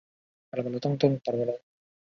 在场上的位置是中坚。